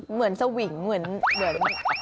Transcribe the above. เหมือนสวิงเหมือน